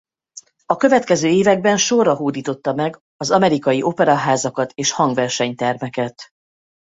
A következő években sorra hódította meg az amerikai operaházakat és hangversenytermeket.